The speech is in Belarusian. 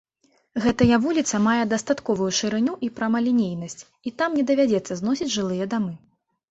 Гэтая вуліца мае дастатковую шырыню і прамалінейнасць і там не давядзецца зносіць жылыя дамы.